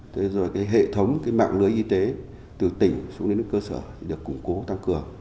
thế rồi cái hệ thống cái mạng lưới y tế từ tỉnh xuống đến cơ sở thì được củng cố tăng cường